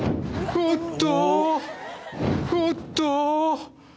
おっと！